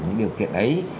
những điều kiện ấy